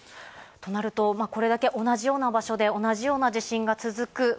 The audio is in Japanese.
となると、これだけ同じような場所で同じような地震が続く。